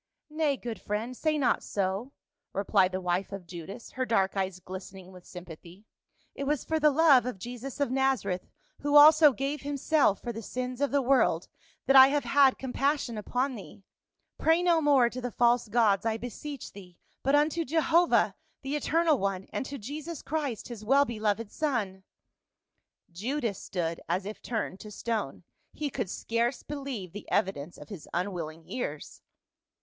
" Nay, good friend, say not so," replied the wife of Judas, her dark eyes glistening with sympathy. " It was for the love of Jesus of Nazareth, who also gave himself for the sins of the world, that I have had com passion upon thee. Pray no more to the false gods, I beseech thee, but unto Jehovah, the eternal One, and to Jesus Christ his well beloved son." Judas stood as if turned to stone. He could scarce believe the evidence of his unwilling ears.